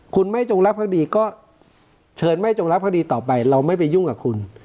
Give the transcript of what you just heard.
คุณไม่จงรักภักดีก็เชิญไม่จงรักภักดีต่อไปเราไม่ไปยุ่งกับคุณ